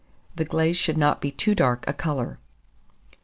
The glaze should not be too dark a colour.